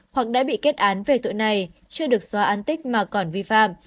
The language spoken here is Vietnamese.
hoặc đã bị kết án về tội này chưa được xóa an tích mà còn vi phạm